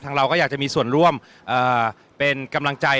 เราก็อยากจะมีส่วนร่วมเป็นกำลังใจ